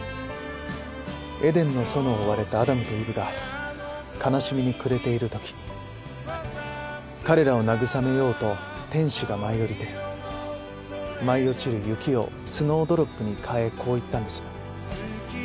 エデンの園を追われたアダムとイブが悲しみに暮れている時彼らを慰めようと天使が舞い降りて舞い落ちる雪をスノードロップに変えこう言ったんです。